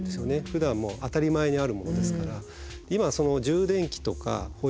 ふだんもう当たり前にあるものですから。